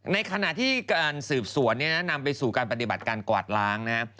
ในขณะที่การสืบสวนเนี่ยนะนำไปสู่การปฏิบัติการกวาดล้างนะครับ